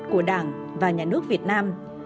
của đảng và nhà nước việt nam